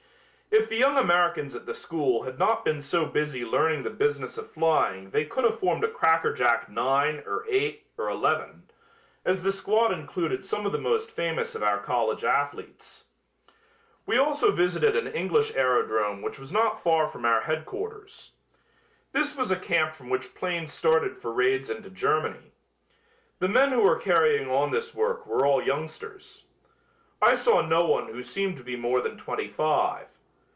If the young Americans at the school had not been so busy learning the business of flying they could have formed a cracker jack nine or eight or eleven, as the squad included some of the most famous of our college athletes. We also visited an English aerodrome which was not far from our headquarters. This was a camp from which planes started for raids into Germany. The men who were carrying on this work were all youngsters. I saw no one who seemed to be more than twenty five.